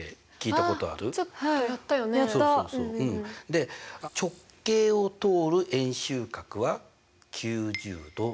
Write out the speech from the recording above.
で直径を通る円周角は９０°だよね。